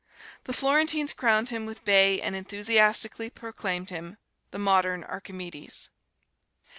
The Florentines crowned him with bay and enthusiastically proclaimed him, "The Modern Archimedes."